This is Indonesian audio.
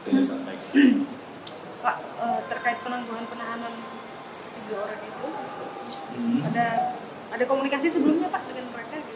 pak terkait penangguhan penahanan tiga orang itu ada komunikasi sebelumnya pak dengan mereka